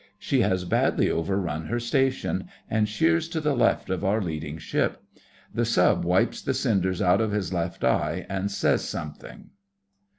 She has badly overrun her station, and sheers to the left of our leading ship. The Sub wipes the cinders out of his left eye and says something.